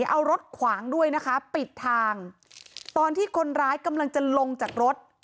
เอารถขวางด้วยนะคะปิดทางตอนที่คนร้ายกำลังจะลงจากรถ